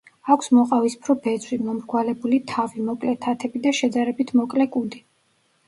აქვს მოყავისფრო ბეწვი, მომრგვალებული თავი, მოკლე თათები და შედარებით მოკლე კუდი.